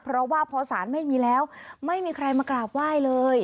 เพราะว่าพอสารไม่มีแล้วไม่มีใครมากราบไหว้เลย